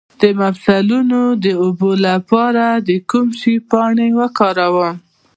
د مفصلونو د اوبو لپاره د کوم شي پاڼې وکاروم؟